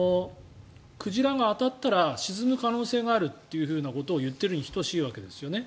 鯨が当たったら沈む可能性があるということを言っているに等しいわけですよね。